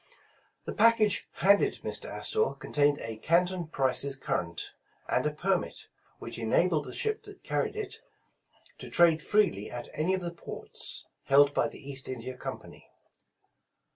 The package handed Mr. Astor contained a Canton Prices Current, and a Permit which enabled the ship 130 The East India Pass that carried it, to trade freely at any of the ports held bj" the East India Company.